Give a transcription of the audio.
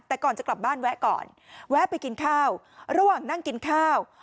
แต่ก่อนจะกลับบ้านแวะก่อนแวะไปกินข้าวระหว่างนั่งกินข้าว